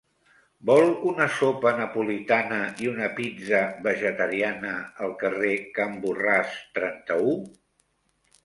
Vol una sopa napolitana i una pizza vegetariana al carrer Can Borràs trenta-u?